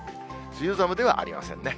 梅雨寒ではありませんね。